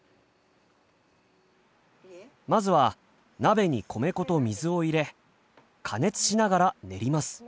まずは鍋に米粉と水を入れ加熱しながら練ります。